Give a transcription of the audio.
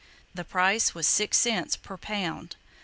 The price was six cents per pound.